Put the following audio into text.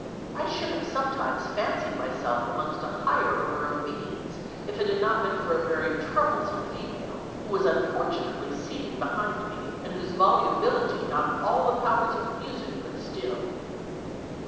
I should have sometimes fancied myself amongst a higher order of Beings if it had not been for a very troublesome female, who was unfortunately seated behind me; and whose volubility not all the powers of music could still."